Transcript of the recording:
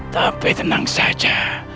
tapi tenang saja